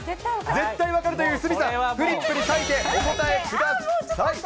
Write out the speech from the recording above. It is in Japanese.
絶対分かるという鷲見さん、フリップに書いてお答えください。